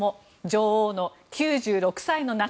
女王の９６歳の夏